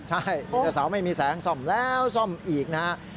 ใช่อินเตอร์เสาร์ไม่มีแสงซ่อมแล้วซ่อมอีกนะฮะ